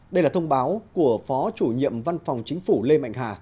đây là thông báo của phó chủ nhiệm văn phòng chính phủ lê mạnh hà